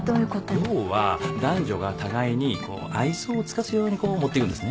要は男女が互いにこう愛想を尽かすようにこう持っていくんですね。